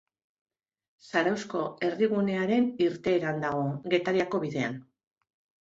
Zarauzko herrigunearen irteeran dago, Getariako bidean.